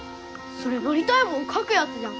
それなりたいもん描くやつじゃん。